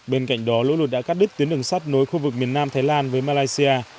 bên cạnh đó lũ lụt đã cắt đứt tuyến đường sắt nối khu vực miền nam thái lan với malaysia